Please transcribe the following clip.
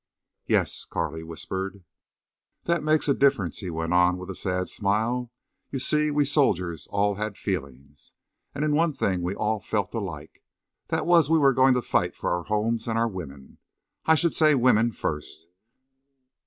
"Yes," Carley whispered. "That makes a difference," he went on, with a sad smile. "You see, we soldiers all had feelings. And in one thing we all felt alike. That was we were going to fight for our homes and our women. I should say women first.